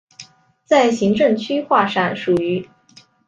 在行政区划上属于。